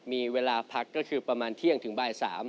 มีเวลาพักก็คือประมาณเที่ยงถึงบ่าย๓